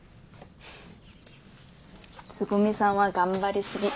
つぐみさんは頑張りすぎ。